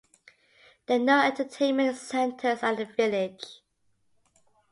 There are no entertainment centers at the village.